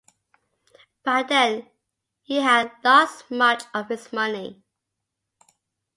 By then he had lost much of his money.